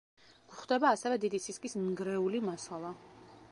გვხვდება ასევე დიდ სისქის ნგრეული მასალა.